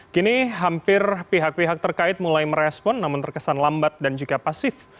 kini hampir pihak pihak terkait mulai merespon namun terkesan lambat dan juga pasif